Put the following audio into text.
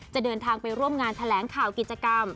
เดินทางไปร่วมงานแถลงข่าวกิจกรรม